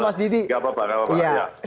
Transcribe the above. mas didi gak apa apa nggak apa apa